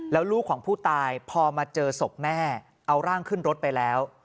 แล้วลูกของผู้ตายพอมาเจอศพแม่เอาร่างขึ้นรถไปแล้ว